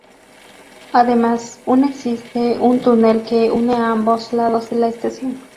Además un existe un túnel que une ambos lados de la estación.